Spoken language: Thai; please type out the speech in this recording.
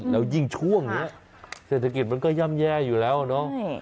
แล้วยิ่งช่วงนี้เศรษฐกิจมันก็ย่ำแย่อยู่แล้วเนาะ